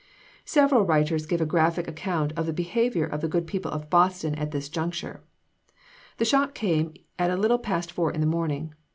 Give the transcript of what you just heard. Several writers give a graphic account of the behavior of the good people of Boston at this juncture. The shock came at a little past four in the morning.